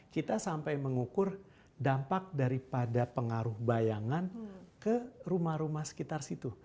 kita sampai mengukur dampak daripada pengaruh bayangan ke rumah rumah sekitar situ